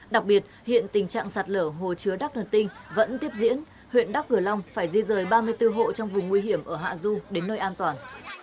đặc biệt hiện tình trạng sạt lở hồ chứa đắk nần tinh vẫn tiếp diễn huyện đắk cửa long phải di rời ba mươi bốn hộ trong vùng nguy hiểm ở hạ du đến nơi an toàn